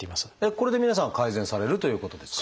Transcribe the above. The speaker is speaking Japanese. これで皆さん改善されるということですか？